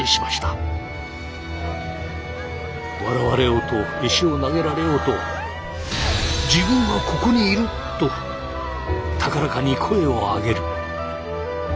笑われようと石を投げられようとと高らかに声を上げる。